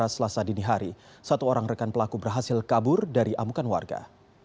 selasa dini hari satu orang rekan pelaku berhasil kabur dari amukan warga